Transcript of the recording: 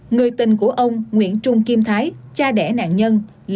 người tình của ông nguyễn trung kim thái cha đẻ nạn nhân là